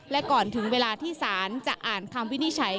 และก่อนถึงเวลาที่ศาลจะอ่านคำวินิจฉัย